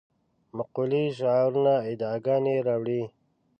مقولې شعارونه ادعاګانې راوړې.